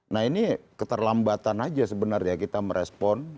nah ini keterlambatan aja sebenarnya kita merespon